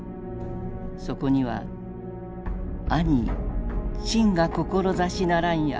そこには「豈朕が志ならんや」。